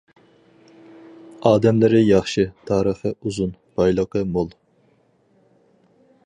ئادەملىرى ياخشى، تارىخى ئۇزۇن، بايلىقى مول.